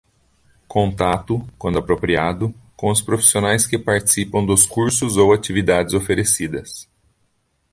Contato, quando apropriado, com os profissionais que participam dos cursos ou atividades oferecidas.